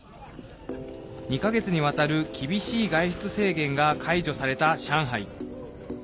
２か月にわたる厳しい外出制限が解除された上海。